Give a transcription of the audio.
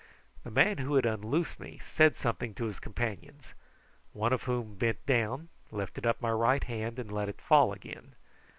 The man who had unloosed me said something to his companions, one of whom bent down, lifted my right hand, and let it fall again.